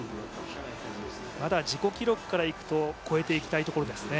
まだ自己記録からいくと越えていきたいところですね。